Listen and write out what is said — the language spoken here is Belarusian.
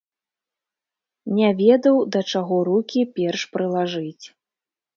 Не ведаў, да чаго рукі перш прылажыць.